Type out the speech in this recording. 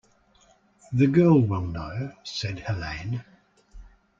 "The girl will know," said Helene.